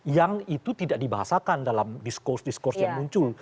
yang itu tidak dibahasakan dalam diskurs diskurs yang muncul